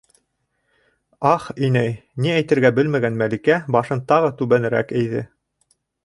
Ах, инәй... - ни әйтергә белмәгән Мәликә башын тағы түбәнерәк эйҙе.